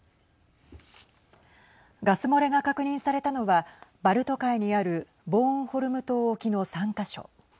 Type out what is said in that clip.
ガス漏れが確認されたのはバルト海にあるボーンホルム島沖の３か所。